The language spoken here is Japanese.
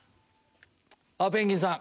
ペンギンさん。